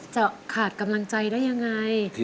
จะขาดกำลังใจได้ยังไง